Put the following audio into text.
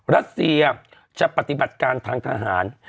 รัสเซียจะปฏิบัติการทางทหาร